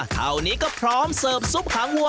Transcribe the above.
เท่านี้ก็พร้อมเสิร์ฟซุปหางวัว